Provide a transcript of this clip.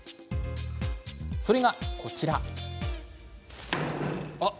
それが、こちら。